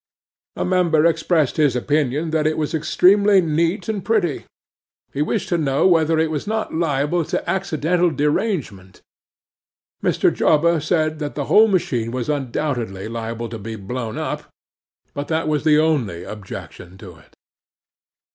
'A Member expressed his opinion that it was extremely neat and pretty. He wished to know whether it was not liable to accidental derangement? Mr. Jobba said that the whole machine was undoubtedly liable to be blown up, but that was the only objection to it.